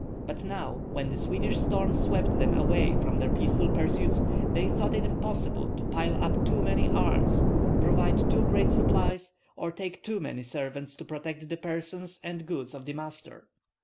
But now when the Swedish storm swept them away from their peaceful pursuits, they thought it impossible to pile up too many arms, provide too great supplies, or take too many servants to protect the persons and goods of the master.